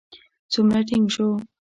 څومره ټينګ شو.